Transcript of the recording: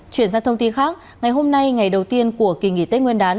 chuyển sang thông tin khác ngày hôm nay ngày đầu tiên của kỳ nghỉ tết nguyên đán